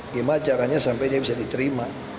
gimana caranya sampai dia bisa diterima